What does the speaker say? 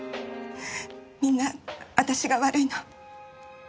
みんな私が悪いの。